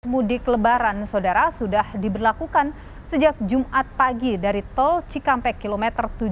mudik lebaran saudara sudah diberlakukan sejak jumat pagi dari tol cikampek kilometer tujuh puluh